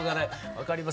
分かります。